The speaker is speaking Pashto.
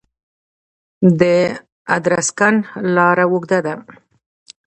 د ادرسکن لاره اوږده ده